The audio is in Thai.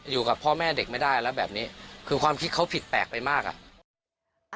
อยู่กับพ่อแม่เด็กไม่ได้แล้วแบบนี้คือความคิดเขาผิดแปลกไปมากอ่ะ